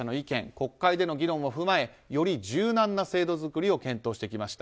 国会での議論を踏まえより柔軟な制度作りを検討してきました。